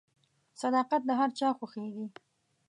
• صداقت د هر چا خوښیږي.